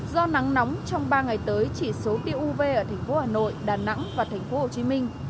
do nắng nóng trong ba ngày tới chỉ số tiêu uv ở thành phố hà nội đà nẵng và thành phố hồ chí minh